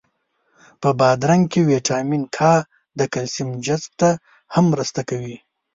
په بادرنګ کی ویټامین کا د کلسیم جذب ته هم مرسته کوي.